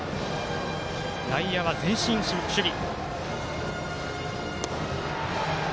内野は前進守備。